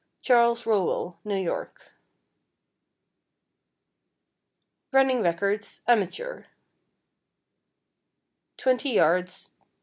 Charles Rowell, New York. =Running Records, Amateur=: 20 yds.